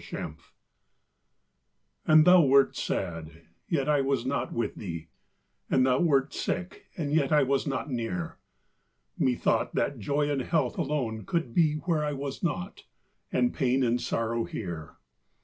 And thou wert sad yet I was not with thee; And thou wert sick, and yet I was not near; Methought that Joy and Health alone could be Where I was not and pain and sorrow here!